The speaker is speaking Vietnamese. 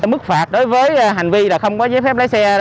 mức phạt đối với hành vi là không có giấy phép lái xe